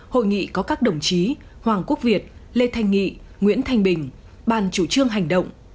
hội nghị có các đồng chí hoàng quốc việt lê thanh nghị nguyễn thanh bình ban chủ trương hành động